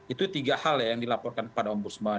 itu tiga hal yang dilaporkan pada ombudsman